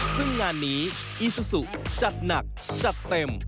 ซึ่งงานนี้อีซูซูจัดหนักจัดเต็ม